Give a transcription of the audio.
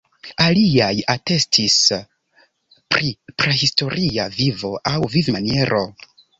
Aliaj atestis pri prahistoria vivo aŭ vivmaniero.